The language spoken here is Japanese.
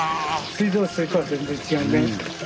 水道水とは全然違うね。